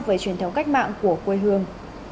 với truyền thống cách mạng của quê hương